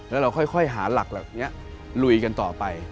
แล้วเราค่อยหาหลักแบบนี้ลุยกันต่อไป